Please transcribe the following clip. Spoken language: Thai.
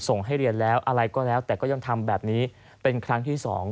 ส่งให้เรียนแล้วอะไรก็แล้วแต่ก็ยังทำแบบนี้เป็นครั้งที่๒